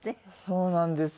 そうなんですよ。